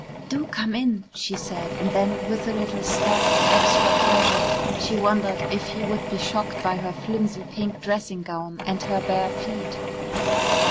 "Do come in," she said, and then, with a little stab of extra pleasure, she wondered if he would be shocked by her flimsy pink dressing gown and her bare feet.